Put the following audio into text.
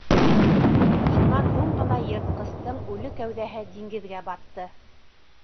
Шунан һуң ғына йыртҡыстың үле кәүҙәһе диңгеҙгә батты.